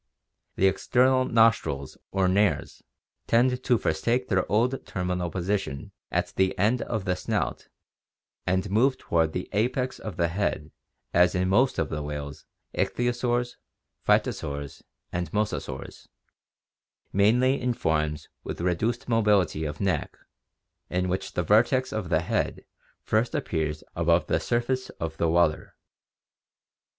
The external nostrils or nares tend to forsake their old terminal position at the end of the snout and move toward the apex of the head as in most of the whales,1 ichthyosaurs, phytosaurs, and mosasaurs, mainly in forms with reduced mobility of neck in which the vertex of the head first appears above the surface of the water.